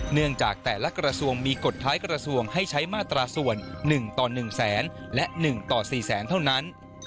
เนื่องจากแต่ละกระทรวงมีกฎท้ายกระทรวงให้ใช้มาตราส่วน๑ต่อ๑แสนและ๑ต่อ๔แสนเท่านั้น